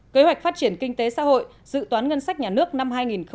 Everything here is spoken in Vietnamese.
bốn kế hoạch phát triển kinh tế xã hội dự toán ngân sách nhà nước năm hai nghìn một mươi tám